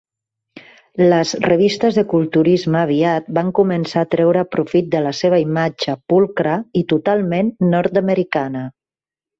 Les revistes de culturisme aviat van començar treure profit de la seva imatge pulcra i totalment nord-americana.